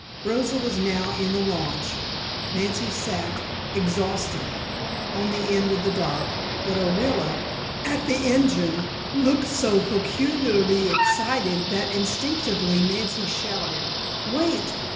Rosa was now in the launch, Nancy sat, exhausted, on the end of the dock, but Orilla, at the engine, looked so peculiarly excited that instinctively Nancy shouted: "Wait!